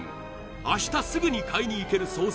明日すぐに買いに行ける惣菜